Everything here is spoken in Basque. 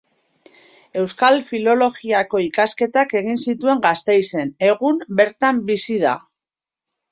Euskal Filologiako ikasketak egin zituen Gasteizen, egun, bertan bizi da.